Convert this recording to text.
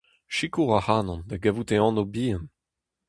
Sikour ac'hanon da gavout e anv-bihan.